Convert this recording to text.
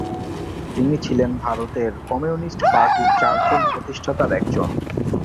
তিনি ছিলেন ভারতের কমিউনিস্ট পার্টির চারজন প্রতিষ্ঠাতার একজন।